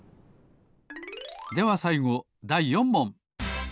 ではさいごだい４もん。